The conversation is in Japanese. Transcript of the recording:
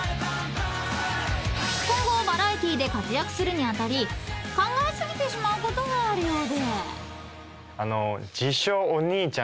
［今後バラエティーで活躍するに当たり考え過ぎてしまうことがあるようで］